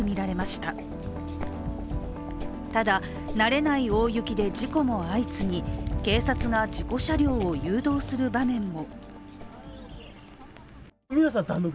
ただ、慣れない大雪で事故も相次ぎ警察が事故車両を誘導する場面も。